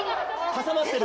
挟まってる？